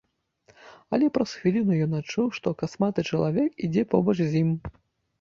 Але праз хвіліну ён адчуў, што касматы чалавек ідзе побач з ім.